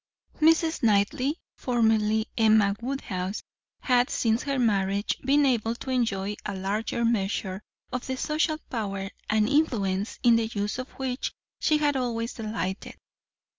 Mrs. Knightley, formerly Emma Woodhouse, had, since her marriage, been able to enjoy a larger measure of the social power and influence in the use of which she had always delighted.